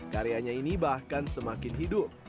karyanya ini bahkan semakin hidup